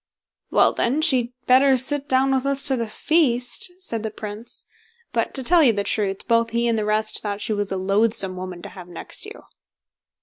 "Well, then, she'd better sit down with us to the feast", said the Prince; but, to tell you the truth, both he and the rest thought she was a loathsome woman to have next you.